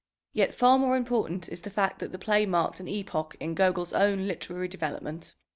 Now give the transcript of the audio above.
Yet far more important is the fact that the play marked an epoch in Gogol's own literary development.